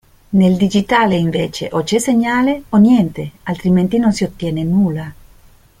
Nel digitale invece o c'è segnale o… niente, altrimenti non si ottiene nulla.